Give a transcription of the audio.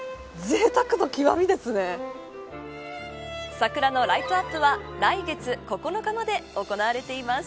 桜のライトアップは来月９日まで行われています。